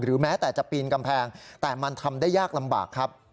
แม้แต่จะปีนกำแพงแต่มันทำได้ยากลำบากครับ